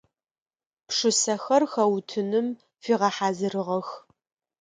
Пшысэхэр хэутыным фигъэхьазырыгъэх.